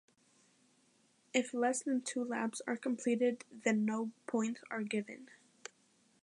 If less than two laps are completed then no points are given.